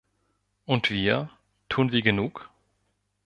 Und wir, tun wir genug?